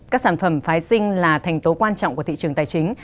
các sản phẩm phái sinh là thành tố quan trọng của thị trường tài chính